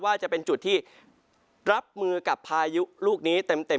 ว่าจะเป็นจุดที่รับมือกับพายุลูกนี้เต็ม